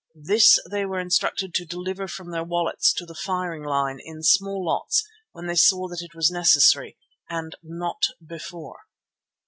This they were instructed to deliver from their wallets to the firing line in small lots when they saw that it was necessary and not before.